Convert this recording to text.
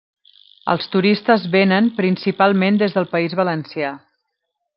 Els turistes venen, principalment des del País Valencià.